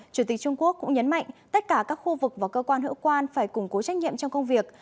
chủ tịch trung quốc cũng nhấn mạnh tất cả các khu vực và cơ quan hữu quan phải củng cố trách nhiệm trong công việc